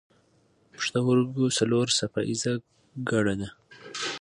پوښتورګی څلور څپه ایزه ګړه ده.